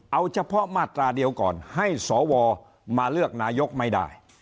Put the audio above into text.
เอาเฉพาะมาตราเดียวก่อนให้สวมาเลือกนายกไม่ได้